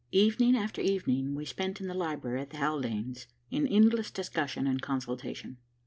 Evening after evening we spent in the library at the Haldanes', in endless discussion and consultation.